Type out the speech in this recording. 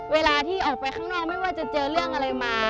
เวลาที่ออกไปข้างนอกไม่ว่าจะเจอเรื่องอะไรมา